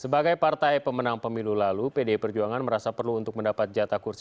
sebagai partai pemenang pemilu lalu pdi perjuangan merasa perlu untuk mendapat jatah kursi